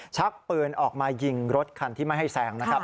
ชักปืนออกมายิงรถคันที่ไม่ให้แซงนะครับ